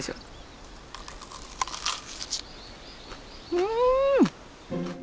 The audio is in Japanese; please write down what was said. うん！